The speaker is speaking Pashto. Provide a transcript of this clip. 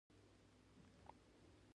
دا د اپولو یوولس ماډل دی انډریو سمونه وکړه